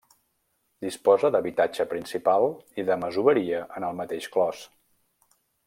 Disposa d'habitatge principal i de masoveria en el mateix clos.